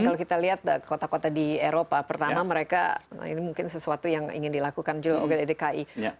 kalau kita lihat kota kota di eropa pertama mereka ini mungkin sesuatu yang ingin dilakukan juga oleh dki